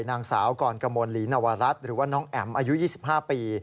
นางสาวกรกมลหรือน้องแอ๋มอายุ๒๕ปี